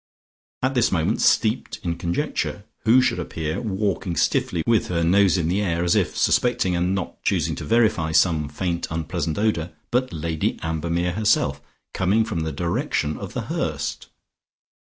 At this moment, steeped in conjecture, who should appear, walking stiffly, with her nose in the air, as if suspecting, and not choosing to verify, some faint unpleasant odour, but Lady Ambermere herself, coming from the direction of The Hurst....